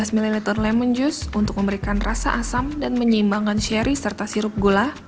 tiga belas ml lemon jus untuk memberikan rasa asam dan menyimbangkan sherry serta sirup gula